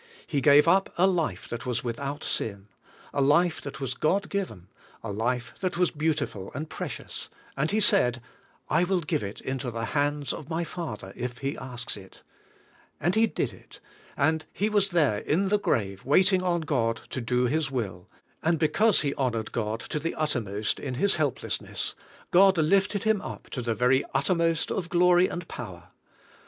He gave up a life that was without sin ; a, life that was God given; a life that was beautiful and precious; and He said, "I will give it into the hands of my Father if He asks it;" and He did it; and He was there in the grave waiting on God to do His will; and because He honored God to the uttermost in His helplessness, God lifted Him up to the very uttermost of glory and power.